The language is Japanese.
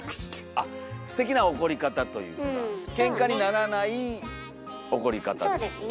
あっステキな怒り方というかケンカにならない怒り方ですよね。